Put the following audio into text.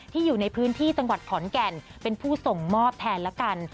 อยู่ในพื้นที่จังหวัดขอนแก่นเป็นผู้ส่งมอบแทนละกัน